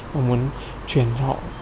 và muốn truyền cho họ